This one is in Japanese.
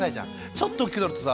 ちょっと大きくなるとさ